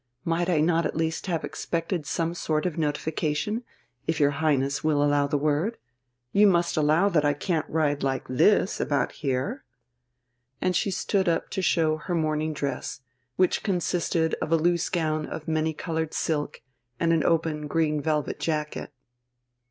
Might I not at least have expected some sort of notification, if your Highness will allow the word? You must allow that I can't ride like this about here." And she stood up to show her morning dress, which consisted of a loose gown of many coloured silk and an open green velvet jacket.